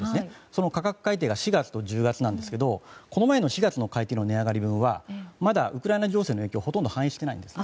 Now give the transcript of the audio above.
その価格改定が４月と１０月ですがこの前の４月改定のの値上がり分はまだウクライナ情勢の影響をほとんど反映していないんです。